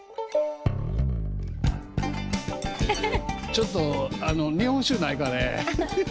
ちょっと日本酒ないかね？